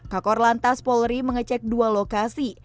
kakor lantas polri mengecek dua lokasi